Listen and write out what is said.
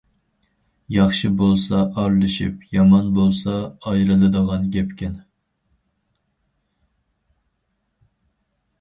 ياخشى بولسا ئارىلىشىپ، يامان بولسا ئايرىلىدىغان گەپكەن.